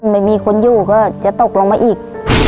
ไม่มีคนอยู่ก็จะตกลงมาอีก